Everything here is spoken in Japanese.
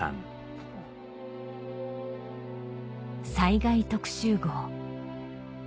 「災害特集号」